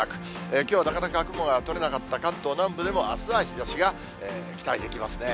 きょうはなかなか雲が取れなかった関東南部でも、あすは日ざしが期待できますね。